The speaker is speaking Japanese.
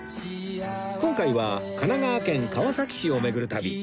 今回は神奈川県川崎市を巡る旅